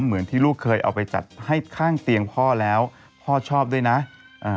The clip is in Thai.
เหมือนที่ลูกเคยเอาไปจัดให้ข้างเตียงพ่อแล้วพ่อชอบด้วยนะอ่า